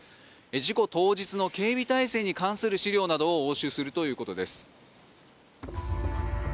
事故当日の警備態勢に関する資料などを押収するということです。